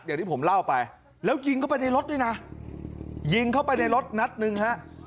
อย่างที่ผมเล่าไปแล้วยิงเข้าไปในรถด้วยนะยิงเข้าไปในรถนัดหนึ่งฮะ